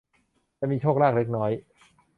จะมีโชคลาภเล็กน้อย